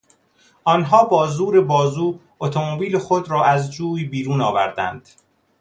آنها با زور بازو اتومبیل خود را از جوی بیرون آوردند.